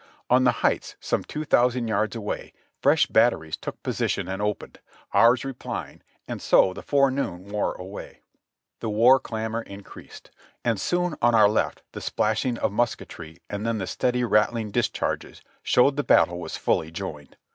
On the heights some two thousand yards away fresh batteries took position and opened, ours replying, and so the forenoon wore away; the v;ar clamor increased, and soon on our left the splashing of musk etry and then the steady, rattling discharges showed the battle was fully joined.